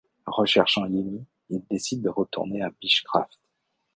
Recherchant Yemi, il décide de retourner au Beechcraft.